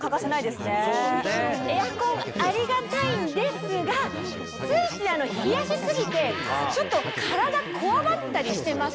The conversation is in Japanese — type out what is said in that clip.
エアコンありがたいんですがついつい冷やし過ぎてちょっと体こわばったりしてませんか？